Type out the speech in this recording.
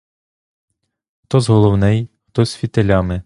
Хто з головней, хто з фітилями